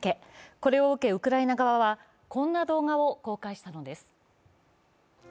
これを受け、ウクライナ側はこんな動画を公開しているんです。